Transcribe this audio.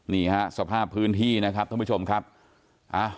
นี่ฮะสภาพพื้นที่นะครับท่านผู้ชมครับอ่า